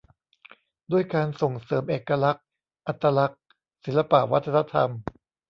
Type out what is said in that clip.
ด้วยการส่งเสริมเอกลักษณ์ อัตลักษณ์ ศิลปวัฒนธรรม